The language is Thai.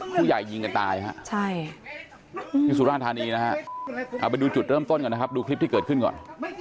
ผู้ใหญ่ยิงกันตายครับครับพี่สุราณทานีนะครับเอาไปดูจุดเริ่มต้นก่อนนะครับดูคลิปที่เกิดขึ้นก่อน